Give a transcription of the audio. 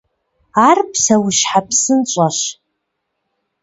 Ар псэущхьэ псынщӏэщ.